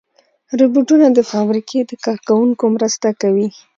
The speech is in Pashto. روبوټونه د فابریکې د کار کوونکو مرسته کوي.